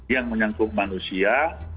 yang menyangkut manusia